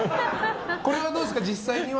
これはどうですか、実際には。